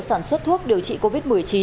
sản xuất thuốc điều trị covid một mươi chín